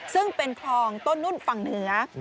ซึ่งเป็นคลองต้นนุ่นฝั่งเหนือ